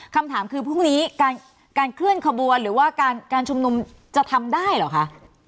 คำถามคือพรุ่งนี้การเคลื่อนขบวนหรือว่าการชุมนุมจะทำได้เหรอคะ